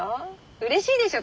うれしいでしょ！